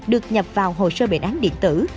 được nhập vào hồ sơ bệnh án điện tử